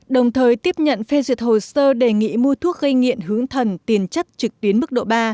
đồng thời tiếp nhận phê duyệt hồ sơ đề nghị mua thuốc gây nghiện hướng thần tiền chất trực tuyến mức độ ba